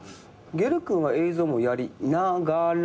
ゲル君は映像もやりながらの。